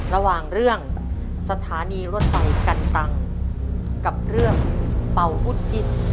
ระหว่างเรื่องสถานีรถไฟกันตังกับเรื่องเป่าอุดจิต